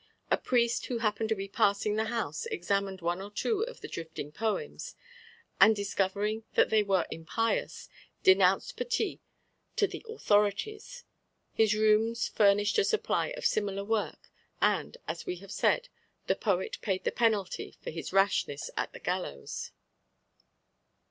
A priest who happened to be passing the house examined one or two of the drifting poems, and, discovering that they were impious, denounced Petit to the authorities. His rooms furnished a large supply of similar work, and, as we have said, the poet paid the penalty for his rashness at the gallows.